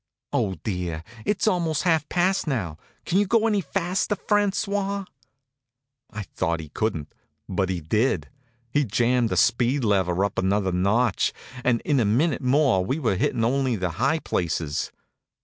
Oh, dear, it's almost half past now! Can't you go any faster, François?" I thought he couldn't, but he did. He jammed the speed lever up another notch, and in a minute more we were hittin' only the high places.